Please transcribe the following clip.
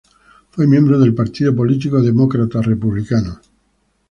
Fue miembro del partido político Demócrata-Republicano.